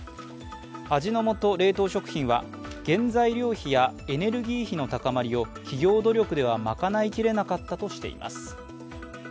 味の素冷凍食品は原材料費やエネルギー費の高まりを企業努力では賄いきれなかったとしています。